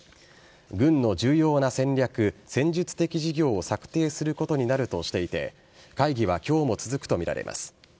軍の重要な戦略・戦術的事業を策定することになるとしていて会議は今日も続くとみられます。